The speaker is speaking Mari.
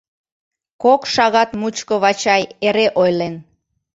Кок шагат мучко Вачай эре ойлен.